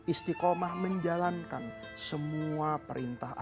istiqomah menjalankan semua perintah agama